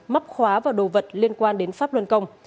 mắc khóa và đồ vật liên quan đến pháp luân công